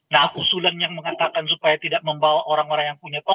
nah usulan yang mengatakan supaya tidak membawa orang orang yang punya